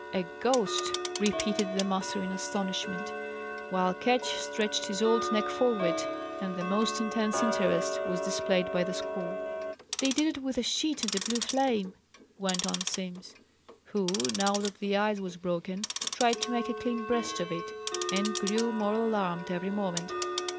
"A ghost!" repeated the master in astonishment, while Ketch stretched his old neck forward, and the most intense interest was displayed by the school. "They did it with a sheet and a blue flame," went on Simms; who, now that the ice was broken, tried to make a clean breast of it, and grew more alarmed every moment.